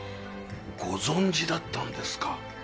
ご存じだったんですか。